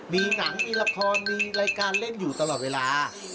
มีหนังมีละครมีรายการเล่นอยู่ตลอดเวลา